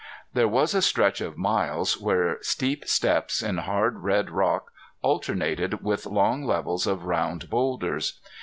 There was a stretch of miles where steep steps in hard red rock alternated with long levels of round boulders.